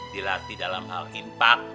dilatih dalam hal impak